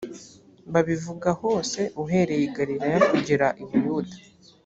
babivuga hose uhereye i galilaya kugera i buyuda